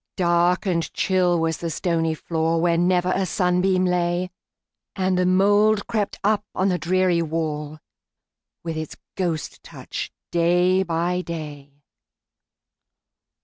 Dark and chill was the stony floor, Where never a sunbeam lay, And the mould crept up on the dreary wall, With its ghost touch, day by day.